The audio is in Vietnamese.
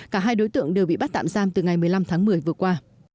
cả hai đối tượng đều bị bắt tạm giam từ ngày một mươi năm tháng một mươi vừa qua